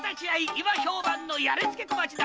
いま評判の「やれ突け小町」だ！